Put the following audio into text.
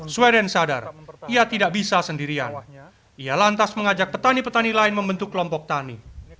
sweden sadar ia tidak bisa sendirian ia lantas mengajak petani petani lain membentuk kelompok tani